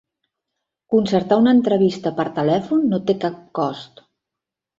Concertar una entrevista per telèfon no té cap cost.